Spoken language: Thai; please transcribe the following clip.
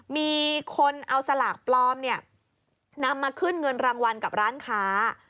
มีคนเอาสลากปลอมเนี่ยนำมาขึ้นเงินรางวัลกับร้านค้า